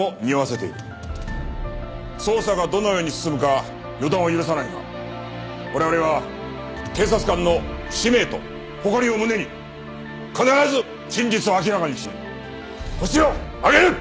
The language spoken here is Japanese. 捜査がどのように進むか予断を許さないが我々は警察官の使命と誇りを胸に必ず真実を明らかにしホシを挙げる！